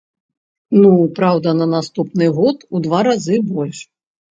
Ну, праўда, на наступны год у два разы больш.